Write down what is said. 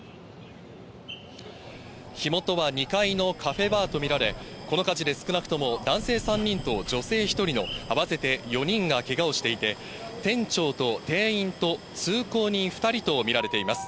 火元は２階のカフェバーと見られ、この火事で少なくとも男性３人と女性１人の合わせて４人がけがをしていて、店長と店員と通行人２人と見られています。